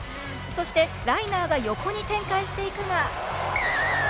そしてライナーが横に展開していくが。